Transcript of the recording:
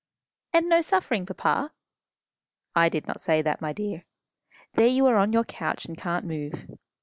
"And no suffering, papa?" "I did not say that, my dear. There you are on your couch and can't move.